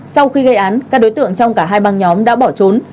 sau khi gây án các đối tượng trong cả hai băng nhóm đã bỏ trốn